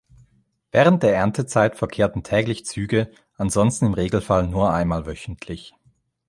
Während der Erntezeit verkehrten täglich Züge, ansonsten im Regelfall nur einmal wöchentlich.